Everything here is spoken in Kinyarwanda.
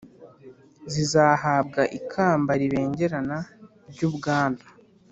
Zizahabwa ikamba ribengerana ry’ubwami,